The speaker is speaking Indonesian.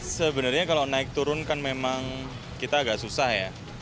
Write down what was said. sebenarnya kalau naik turun kan memang kita agak susah ya